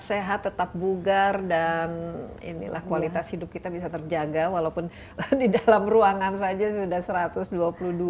sehat tetap bugar dan inilah kualitas hidup kita bisa terjaga walaupun di dalam ruangan saja sudah